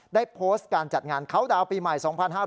ได้โพสต์การจัดงานเขาดาวน์ปีใหม่๒๕๕๙